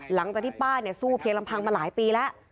หลังจากที่ป้าสู้เพียงลำพังมาหลายปีแล้ว